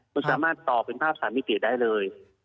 มันสามารถต่อเป็นภาพ๓มิติได้เลย